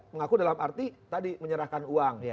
mengaku dalam arti tadi menyerahkan uang